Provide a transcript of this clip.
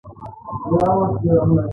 هغه بیا پنځه ویشت میلیونه ګټه کوي